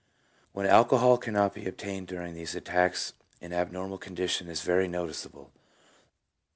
When alcohol cannot be obtained during these attacks an abnormal condition is very noticeable.